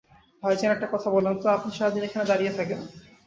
ভাইজান, একটা কথা বলেন তো আপনি সারাদিন এখানে দাঁড়িয়ে থাকেন।